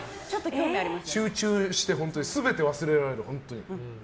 集中して、全て忘れられる。